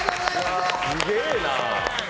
すげえな。